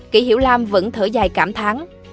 kỷ hiểu lam vẫn thở dài cảm tháng